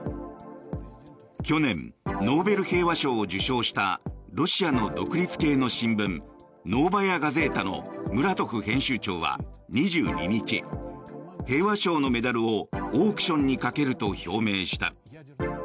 去年、ノーベル平和賞を受賞したロシアの独立系の新聞ノーバヤ・ガゼータのムラトフ編集長は、２２日平和賞のメダルをオークションにかけると表明した。